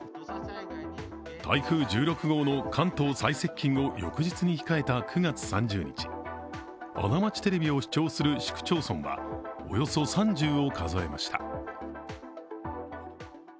台風１６号の関東最接近を翌日に控えた９月３０日、「あな町テレビ」を視聴する市区町村はおよそ３０を数えました。